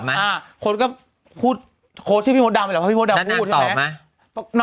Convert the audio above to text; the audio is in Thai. อะคนก็พูดโค้กชื่อพี่โจมมีเราเพราะพี่โจมพูดใช่ไหมนางนะคะ